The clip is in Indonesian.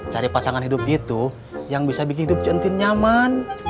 cik cari pasangan hidup gitu yang bisa bikin hidup cik nenek tin nyaman